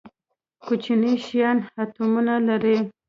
کوچني شیان اتومونه لري